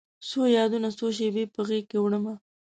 څو یادونه، څو شیبې په غیږکې وړمه